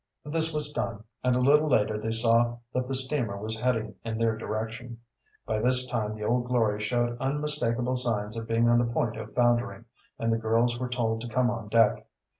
This was done, and a little later they saw that the steamer was heading in their direction. By this time the Old Glory showed unmistakable signs of being on the point of foundering, and the girls were told to come on deck.